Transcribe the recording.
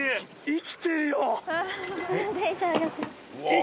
生きてるよ！